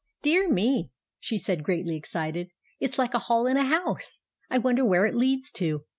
" Dear me I " said she, greatly excited. " it 's like a hall in a house. I wonder where it leads to."